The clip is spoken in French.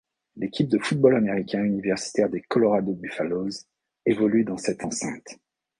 L'équipe de football américain universitaire des Colorado Buffaloes évolue dans cette enceinte.